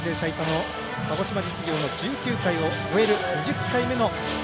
鹿児島実業の１９回目を超える２０回目の夏